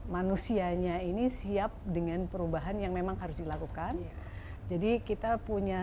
manusianya ini siap dengan perubahan yang memang harus dilakukan jadi kita punya